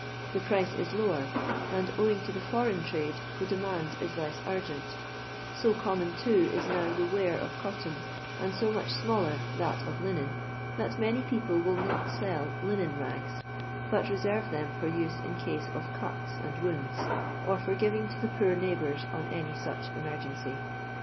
The price is lower, and, owbg to the foreign trade, the demand is less urgent ; so common, too, is now the wear of cotton, and so much smaller that of linen, that many people will not sell linen rags, but reserve tbem for use in case of cuts and wounds, sr for giving to their poor neighbours on any such emergency.